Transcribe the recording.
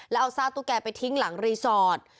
แล้วเอาซากตุ๊กแกไปทิ้งหลังรีสอร์ท